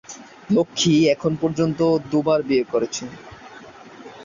লক্ষ্মী এখন পর্যন্ত দুবার বিয়ে করেছেন।